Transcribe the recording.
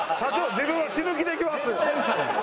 自分死ぬ気でいきます。